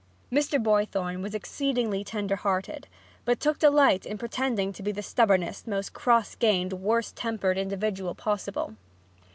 Mr. Boythorn was exceedingly tender hearted, but took delight in pretending to be the stubbornest, most cross grained, worst tempered individual possible.